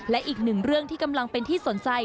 และอีกหนึ่งเรื่องที่กำลังเป็นที่สนใจ